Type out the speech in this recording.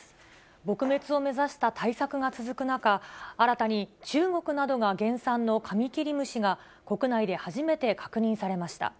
撲滅を目指した対策が続く中、新たに中国などが原産のカミキリムシが、国内で初めて確認されました。